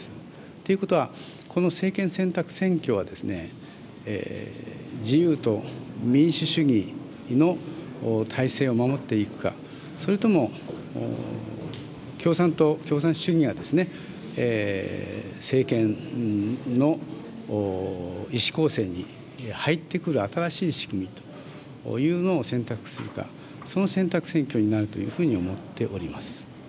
ということは、この政権選択選挙は、自由と民主主義の体制を守っていくか、それとも共産党、共産主義が政権の意思構成に入ってくる新しい仕組みというのを選択するか、その選択選挙になるというふうに思っております。